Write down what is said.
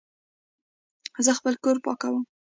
زه خپل کور پاکوم